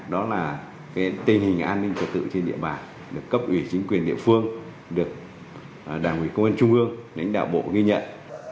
đó là tình hình an ninh trật tự trên địa bàn được cấp ủy chính quyền địa phương được đảng ủy công an trung ương lãnh đạo bộ ghi nhận